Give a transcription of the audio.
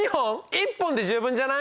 １本で十分じゃない？